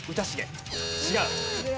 違う。